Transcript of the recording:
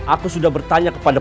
aku sudah bertanya kepadamu